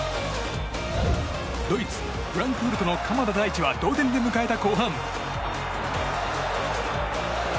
ドイツ・フランクフルトの鎌田大地は同点で迎えた後半。